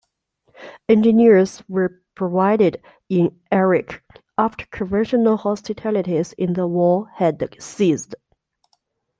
Engineers were provided in Iraq after conventional hostilities in the war had ceased.